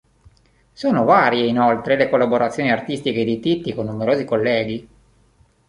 Sono varie, inoltre, le collaborazioni artistiche di Titti con numerosi colleghi.